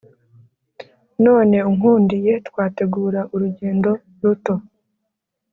none unkundiye twategura urugendo ruto